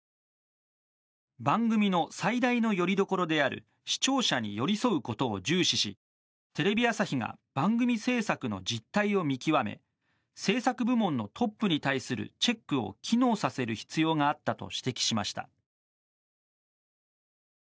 番組の最大のよりどころである視聴者に寄り添うことを重視しテレビ朝日が番組制作の実態を見極め制作部門のトップに対するチェックを機能させる必要があったと指摘しました。